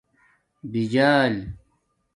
بجال